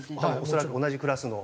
恐らく同じクラスの。